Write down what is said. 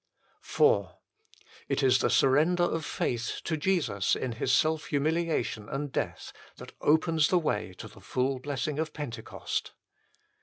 l V IV It is the surrender of faith to Jesus in His self humiliation and death that opens the way to the full blessing of Pentecost.